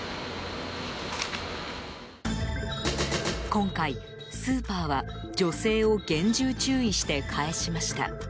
今回、スーパーは女性を厳重注意して帰しました。